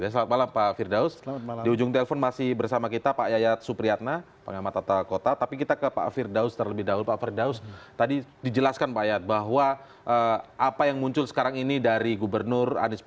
selamat malam pak firdaus